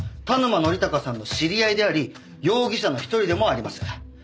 田沼典孝さんの知り合いであり容疑者の一人でもあります。